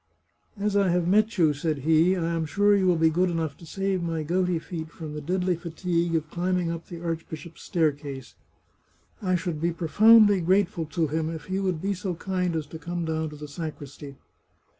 " As I have met you," said he, " I am sure you will be good enough to save my gouty feet from the deadly fatigue of climbing up the archbishop's staircase. I should be profoundly grateful to him if he would be so kind as to come down to the sacristy."